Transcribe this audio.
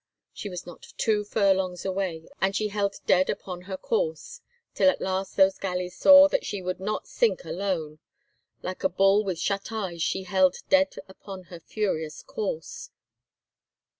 She was not two furlongs away, and she held dead upon her course, till at last those galleys saw that she would not sink alone. Like a bull with shut eyes she held dead upon her furious course!